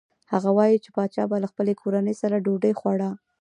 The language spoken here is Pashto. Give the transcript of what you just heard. هغه وايي چې پاچا به له خپلې کورنۍ سره ډوډۍ خوړه.